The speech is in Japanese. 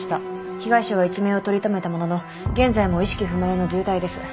被害者は一命を取り留めたものの現在も意識不明の重体です。